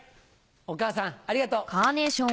お母さんありがとう。